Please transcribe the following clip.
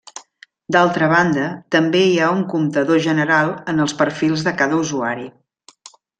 D'altra banda, també hi ha un comptador general en els perfils de cada usuari.